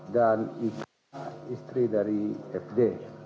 dan ika istri dari fd